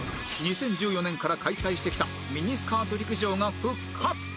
２０１４年から開催してきたミニスカート陸上が復活